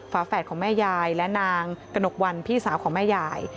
ฝาแฝดของแม่ยายและนางกระหนกวันพี่สาวของแม่ยาย